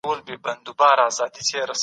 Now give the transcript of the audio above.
چي ښه مي ژړوې